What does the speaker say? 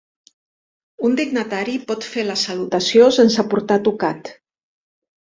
Un dignatari pot fer la salutació sense portar tocat.